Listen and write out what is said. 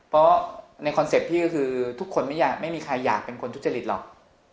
เพราะในคอนเซ็ปต์พี่ก็คือทุกคนไม่มีใครอยากเป็นคนทุจริตหรอก